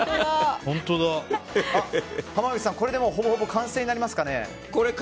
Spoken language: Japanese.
濱口さん、これでほぼほぼ完成になりますかね。